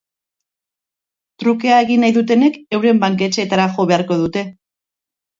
Trukea egin nahi dutenek euren banketxeetara jo beharko dute.